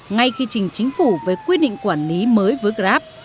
ngay khi trình chính phủ về quy định quản lý mới với grab